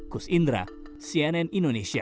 kus indra cnn indonesia